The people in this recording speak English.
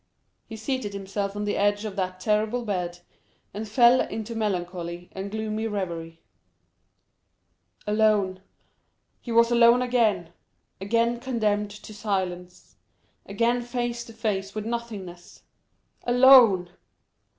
He seated himself on the edge of that terrible bed, and fell into melancholy and gloomy reverie. Alone! he was alone again! again condemned to silence—again face to face with nothingness! Alone!